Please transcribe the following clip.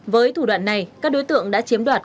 với thủ đoạn này các đối tượng đã chiếm đoạt